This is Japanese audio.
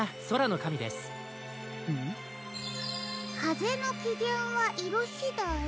「かぜのきげんはいろしだい」。